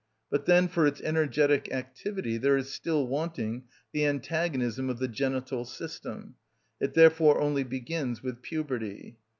But then for its energetic activity there is still wanting the antagonism of the genital system; it therefore only begins with puberty.